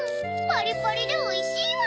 パリパリでおいしいわ！